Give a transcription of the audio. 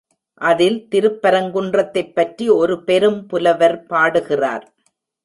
அதில் திருப்பரங்குன்றத்தைப் பற்றி ஒரு பெரும் புலவர் பாடுகிறார்.